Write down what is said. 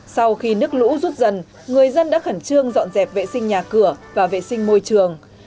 sau khi nước lũ rút dần người dân đã khẩn trương dọn dẹp vệ sinh nhà cửa và vệ sinh môi trường